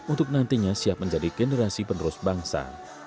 untuk nantinya siap menjadi generasi penerus bangsa